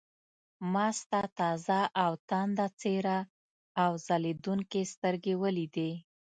ما ستا تازه او تانده څېره او ځلېدونکې سترګې ولیدې.